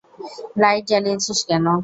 Light জ্বালিয়েছিস কেন?